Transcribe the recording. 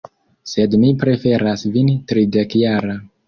Sed mi preferas vin tridekjara.